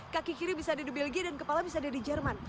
kaki kiri bisa ada di belgia dan kepala bisa ada di jerman